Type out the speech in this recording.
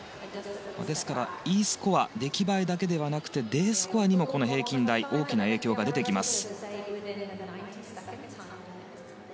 ですから、Ｅスコア出来栄えだけではなくてＤスコアにも平均台では大きな影響が出てきます。